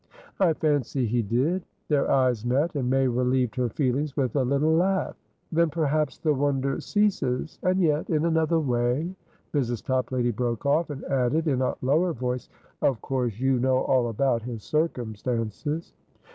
"I fancy he did." Their eyes met, and May relieved her feelings with a little laugh. "Then perhaps the wonder ceases. And yet, in another way" Mrs. Toplady broke off, and added in a lower voice, "Of course you know all about his circumstances?"